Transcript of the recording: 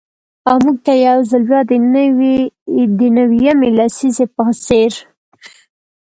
او مـوږ تـه يـو ځـل بـيا د نـوي يمـې لسـيزې پـه څـېر.